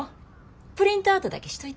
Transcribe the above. プリントアウトだけしといて。